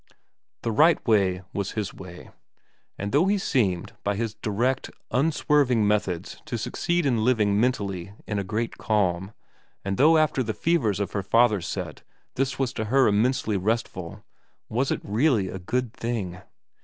' The right way was his way ; and though he seemed by his direct, unswerving methods to succeed in living mentally in a great calm, and though after the fevers of her father's set this was to her immensely restful, xvn VERA 197 was it really a good thing